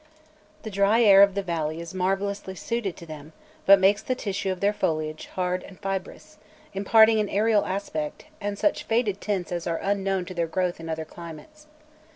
The dry air of the valley is marvellously suited to them, but makes the tissue of their foliage hard and fibrous, imparting an aerial aspect, and such faded tints as are unknown to their growth in other climates.